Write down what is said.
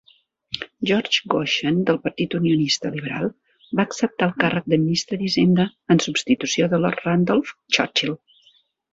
George Goschen del Partit Unionista Liberal va acceptar el càrrec de Ministre d"Hisenda en substitució de Lord Randolph Churchill.